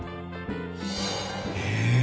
へえ！